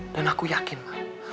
dan aku yakin ma